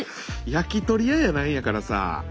焼き鳥屋やないんやからさ。